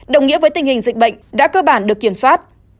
đồng nghĩa với tình hình dịch bệnh đã cơ bản được kiểm soát